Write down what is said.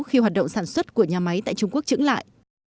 khi hoạt động sản xuất của nhà máy tại trung quốc trứng lại